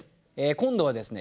今度はですね